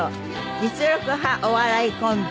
実力派お笑いコンビ